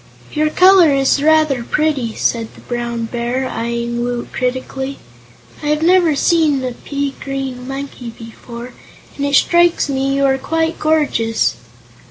"Your color is rather pretty," said the Brown Bear, eyeing Woot critically. "I have never seen a pea green monkey before, and it strikes me you are quite gorgeous."